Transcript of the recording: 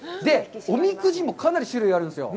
おみくじもかなり種類があるんですよ。